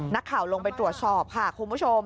นักข่าวลงไปตรวจสอบค่ะคุณผู้ชม